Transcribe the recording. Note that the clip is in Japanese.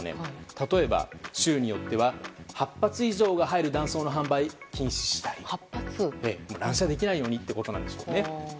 例えば州によっては８発以上が入る弾倉の販売を禁止したり乱射できないようにということなんでしょうね。